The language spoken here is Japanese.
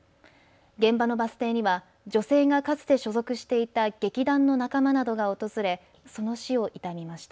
現場のバス停には女性がかつて所属していた劇団の仲間などが訪れ、その死を悼みました。